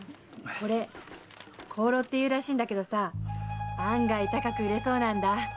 これ香炉っていうらしいんだけどさ案外高く売れそうなんだ。